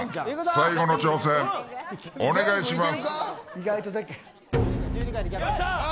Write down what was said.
最後の挑戦、お願いします。